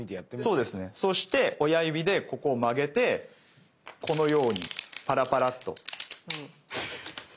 そして親指でここを曲げてこのようにパラパラと。